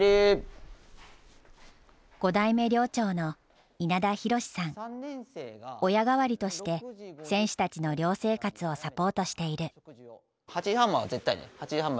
５代目寮長の親代わりとして選手たちの寮生活をサポートしている。